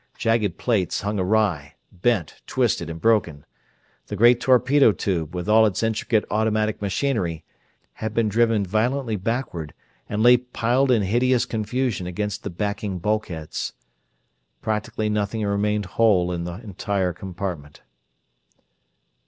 Jagged plates hung awry; bent, twisted, and broken. The great torpedo tube, with all its intricate automatic machinery, had been driven violently backward and lay piled in hideous confusion against the backing bulkheads. Practically nothing remained whole in the entire compartment.